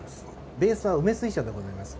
ベースは梅水晶でございます。